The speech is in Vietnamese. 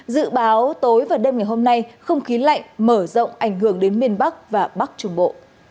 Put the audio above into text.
dự báo tối và đêm ngày hôm nay không khí lạnh mở rộng ảnh hưởng đến miền bắc và bắc trung bộ